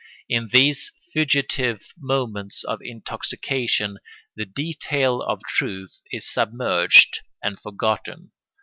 In these fugitive moments of intoxication the detail of truth is submerged and forgotten.